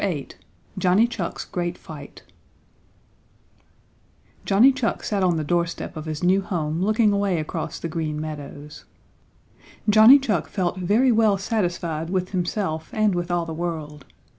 VIII JOHNNY CHUCK'S GREAT FIGHT Johnny Chuck sat on the doorstep of his new home, looking away across the Green Meadows. Johnny Chuck felt very well satisfied with himself and with all the world.